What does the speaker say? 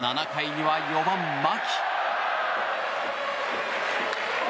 更に７回には４番、牧。